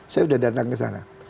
saya sudah datang ke sana